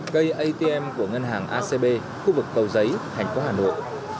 cây atm của ngân hàng acb khu vực cầu giấy thành phố hà nội